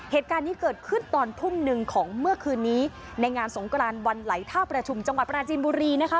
เหตุการณ์นี้เกิดขึ้นตอนทุ่มหนึ่งของเมื่อคืนนี้ในงานสงกรานวันไหลท่าประชุมจังหวัดปราจีนบุรีนะคะ